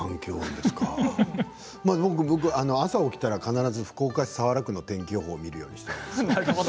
僕は朝、起きたら必ず福岡市早良区の天気予報を見るようにしています。